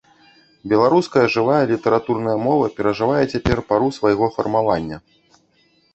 Беларуская жывая літаратурная мова перажывае цяпер пару свайго фармавання.